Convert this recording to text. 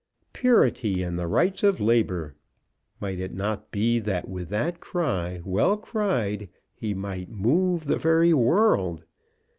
Purity and the Rights of Labour! Might it not be that with that cry, well cried, he might move the very world!